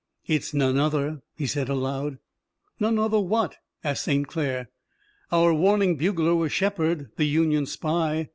"It's none other," he said aloud. "None other what?" asked St. Clair. "Our warning bugler was Shepard, the Union spy.